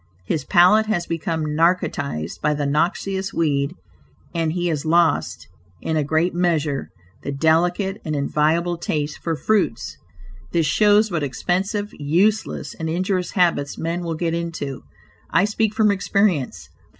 His palate has become narcotized by the noxious weed, and he has lost, in a great measure, the delicate and enviable taste for fruits. This shows what expensive, useless and injurious habits men will get into. I speak from experience.